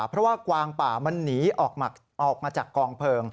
เพราะว่ากวางป่ามันหนีออกมาจากกองเพลิง